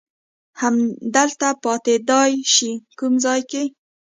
همدلته پاتېدای شې، کوم ځای کې؟